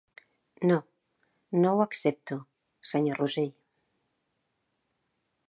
No, no ho accepto, senyor Russell.